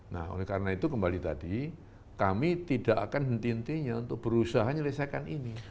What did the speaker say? nah oleh karena itu kembali tadi kami tidak akan henti hentinya untuk berusaha menyelesaikan ini